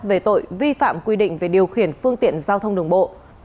về tội vi phạm quy định về điều khiển phương tiện giao thông đường bộ